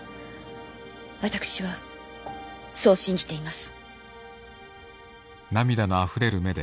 私はそう信じています。